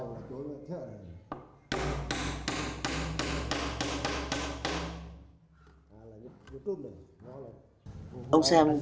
để tôi gõ thử xem sao